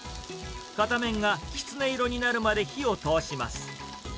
片面がきつね色になるまで火を通します。